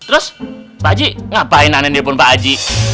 eh terus pak haji ngapain aneh nye nelfon pak haji